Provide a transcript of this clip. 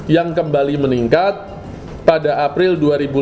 yang kembali meningkat pada april dua ribu lima belas